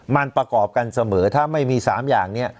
มันประกอบกันเสมอถ้าไม่มี๓อย่างนี้